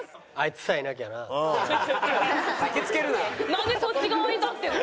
なんでそっち側に立ってるの？